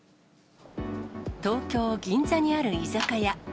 東京・銀座にある居酒屋。